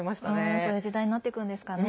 そういう時代になっていくんですかね。